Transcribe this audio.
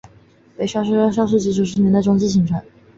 北雪平校区大致在上世纪九十年代中期形成。